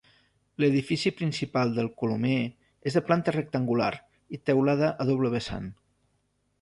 L'edifici principal del Colomer és de planta rectangular i teulada a doble vessant.